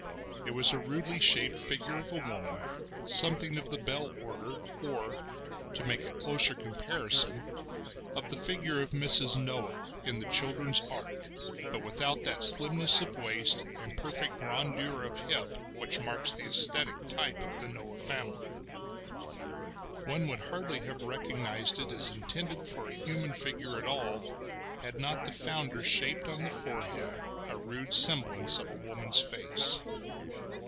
It was a rudely shaped figure of a woman, something of the bell order, or, to make a closer comparison, of the figure of Mrs. Noah in the children's Ark, but without that slimness of waist and perfect rondeur of hip which marks the aesthetic type of the Noah family. One would hardly have recognised it as intended for a human figure at all had not the founder shaped on the forehead a rude semblance of a woman's face.